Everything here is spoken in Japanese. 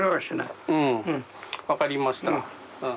分かりました。